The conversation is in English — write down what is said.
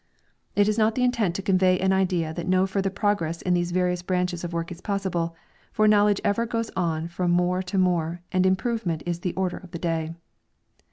It is not tlie intent to convey an idea that no further progress in these various branches of work is possible, for knowledge ever goes on from more to more, and improvement is the order of the day.